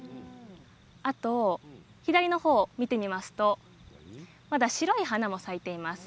あと左の方を見てみますとまだ白い花も咲いています。